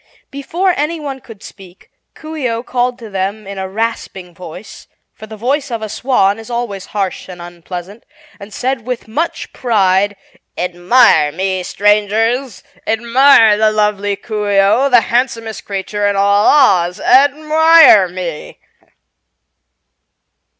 Before anyone could speak Coo ee oh called to them in a rasping voice for the voice of a swan is always harsh and unpleasant and said with much pride: "Admire me, Strangers! Admire the lovely Coo ee oh, the handsomest creature in all Oz. Admire me!"